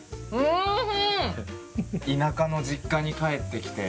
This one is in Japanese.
田舎の実家に帰ってきて。